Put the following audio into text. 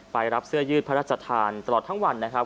รับเสื้อยืดพระราชทานตลอดทั้งวันนะครับ